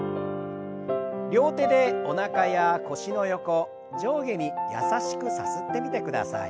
両手でおなかや腰の横上下に優しくさすってみてください。